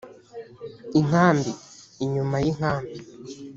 inkambi: inyuma y’ inkambi